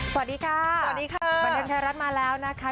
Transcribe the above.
สวัสดีค่ะสวัสดีค่ะบันเทิงไทยรัฐมาแล้วนะคะ